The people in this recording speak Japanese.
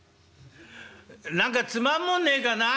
何かつまむもんねえかな？」。